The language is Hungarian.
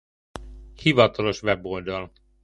Hivatalos weboldal